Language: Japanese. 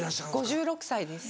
５６歳です。